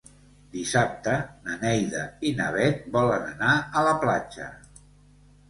Dissabte na Neida i na Bet volen anar a la platja.